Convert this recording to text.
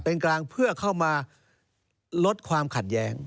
เป็นกลางเพื่อเข้ามาลดความขัดแย้ง